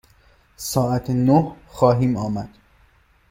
ساعت نه خواهیم آمد.